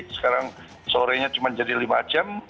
sekarang sore nya cuma jadi lima jam